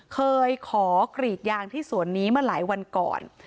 เคยขอกรีดยางที่สวนนี้มาหลายวันก่อน